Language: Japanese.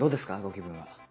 ご気分は。